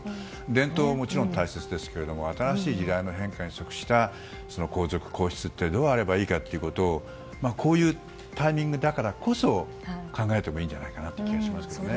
伝統ももちろん大切ですが新しい時代の変化に即した皇族、皇室はどうあればいいかということをこういうタイミングだからこそ考えてもいいんじゃないかという気がしますね。